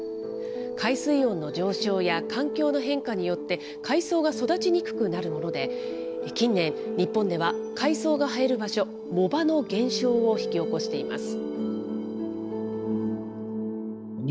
海水温の上昇や環境の変化によって、海藻が育ちにくくなるもので、近年、日本では海藻が生える場所、藻場の減少を引き起こしています。